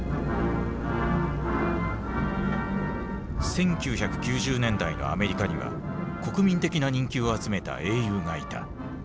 １９９０年代のアメリカには国民的な人気を集めた英雄がいた。